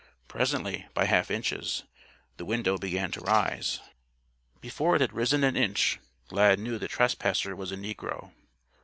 Presently, by half inches, the window began to rise. Before it had risen an inch, Lad knew the trespasser was a negro.